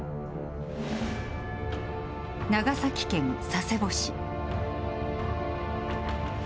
長崎県佐世保市。